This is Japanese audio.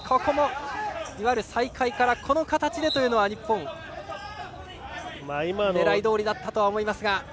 いわゆる再開からこの形でというのは日本、通れば狙いどおりだったとは思いますが。